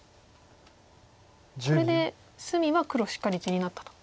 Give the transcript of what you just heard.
これで隅は黒しっかり地になったと。